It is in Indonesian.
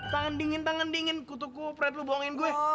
tangan dingin tangan dingin kutu kupret lu bohongin gue